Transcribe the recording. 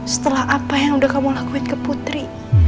setelah apa yang udah kamu lakuin ke putri